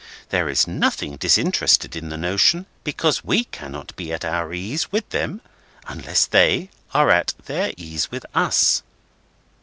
There is nothing disinterested in the notion, because we cannot be at our ease with them unless they are at their ease with us.